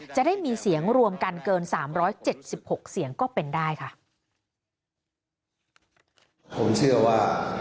จะได้มีเสียงรวมกันเกิน๓๗๖เสียงก็เป็นได้ค่ะ